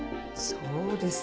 そうですか。